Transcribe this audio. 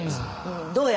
どうや？